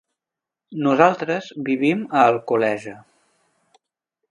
Nosaltres vivim a Alcoleja.